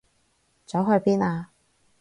走去邊啊？